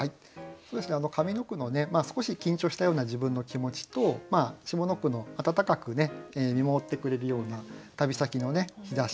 上の句の少し緊張したような自分の気持ちと下の句の温かく見守ってくれるような旅先の日差し。